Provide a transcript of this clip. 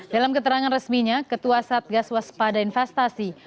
dalam keterangan resminya ketua satgas waspada investasi